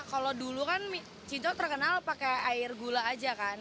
kalau dulu kan cito terkenal pakai air gula aja kan